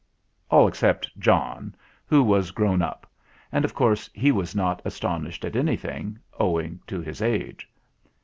All except John, who was grown up; and, of course, he was not astonished at anything, owing to his age.